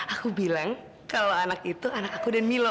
aku bilang kalau anak itu anak aku dan milo